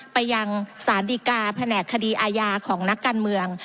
ไปยังสารดีกาแผนกคดีอาญาของนักการเมือง